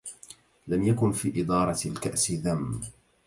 لم يكن في إدارة الكأس ذم